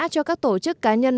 cho các tổ chức cá nhân